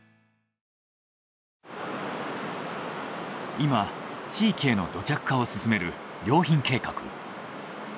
今地域への土着化を進める良品計画。